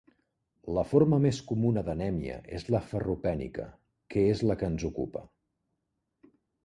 La forma més comuna d'anèmia és la ferropènica, que és la que ens ocupa.